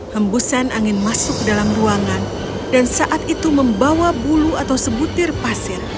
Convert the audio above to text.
hembusan angin masuk ke dalam ruangan dan saat itu membawa bulu atau sebutir pasir